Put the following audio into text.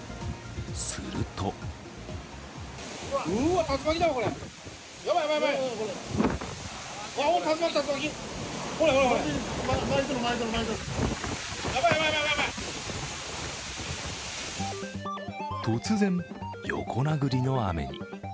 すると突然、横殴りの雨に。